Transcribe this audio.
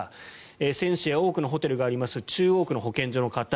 選手や村や多くのホテルがある東京・中央区の保健所の方。